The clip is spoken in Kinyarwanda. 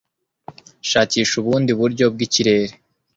Shakisha ubundi buryo bw'ikirere